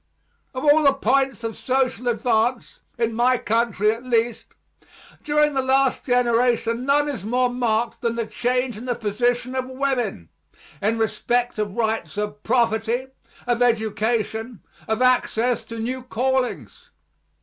Of all the points of social advance, in my country at least, during the last generation none is more marked than the change in the position of women, in respect of rights of property, of education, of access to new callings.